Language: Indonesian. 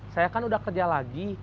saya kan udah kerja lagi